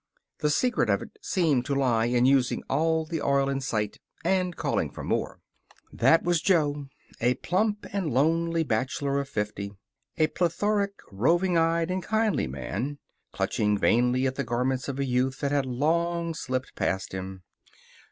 The secret of it seemed to lie in using all the oil in sight and calling for more. That was Jo a plump and lonely bachelor of fifty. A plethoric, roving eyed, and kindly man, clutching vainly at the garments of a youth that had long slipped past him.